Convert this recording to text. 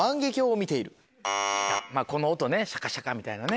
違うまぁこの音ねシャカシャカみたいなね。